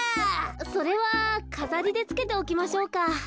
それはかざりでつけておきましょうか。